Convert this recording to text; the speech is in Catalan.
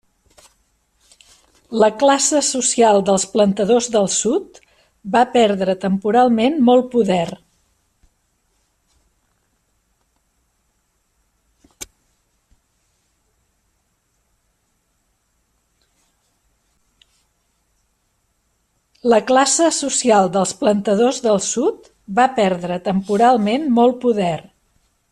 La classe social dels plantadors del sud va perdre temporalment molt poder.